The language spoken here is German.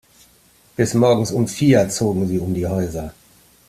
Bis morgens um vier zogen sie um die Häuser.